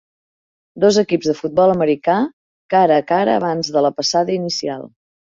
Dos equips de futbol americà cara a cara abans de la passada inicial.